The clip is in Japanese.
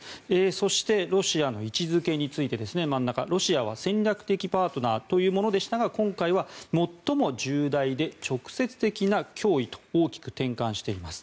そしてロシアの位置付けについてロシアは戦略的パートナーというものでしたが今回は最も重大で直接的な脅威と大きく転換しています。